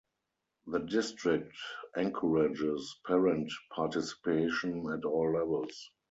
The district encourages parent participation at all levels.